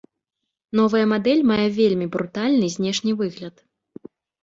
Новая мадэль мае вельмі брутальны знешні выгляд.